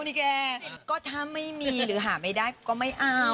ถ้ายังไม่มีหรือหาไม่ได้ก็ไม่เอา